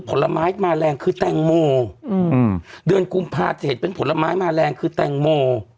ผลไม้มาแรงคือแตงโมอืมเดือนกุมภาจะเห็นเป็นผลไม้มาแรงคือแตงโม